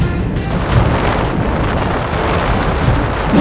karena aku menyaksikan